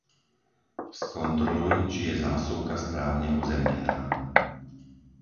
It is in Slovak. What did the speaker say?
Skontroluj, či je zásuvka správne uzemnená.